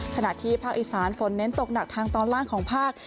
ขณะที่ภาคอีสานฝนเน้นตกหนักทางตอนล่างของภาค